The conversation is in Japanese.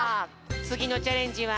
つぎのチャレンジは。